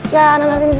ya anak anak sini